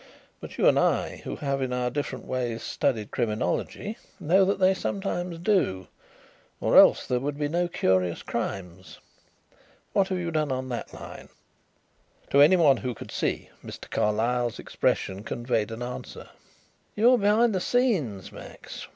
But you and I, who have in our different ways studied criminology, know that they sometimes do, or else there would be no curious crimes. What have you done on that line?" To anyone who could see, Mr. Carlyle's expression conveyed an answer. "You are behind the scenes, Max.